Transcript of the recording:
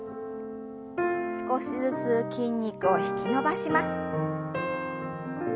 少しずつ筋肉を引き伸ばします。